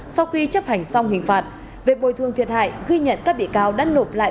sau khi chấp hành xong hình phạt về bồi thương thiệt hại ghi nhận các bị cáo đã nộp lại